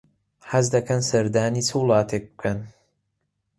حەز دەکەن سەردانی چ وڵاتێک بکەن؟